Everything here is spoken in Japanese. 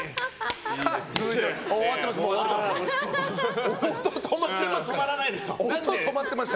続いては終わってますよ。